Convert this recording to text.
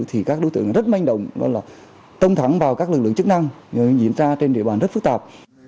thì các đối tượng rất manh động tông thẳng vào các lực lượng chức năng diễn ra trên địa bàn rất phức tạp